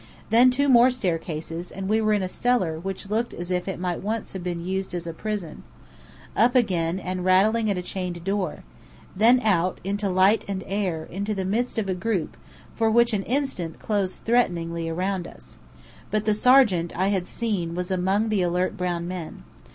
Then two more staircases, and we were in a cellar which looked as if it might once have been used as a prison. Up again, and rattling at a chained door. Then out, into light and air, into the midst of a group, which for an instant, closed threateningly round us. But the sergeant I had seen was among the alert brown men.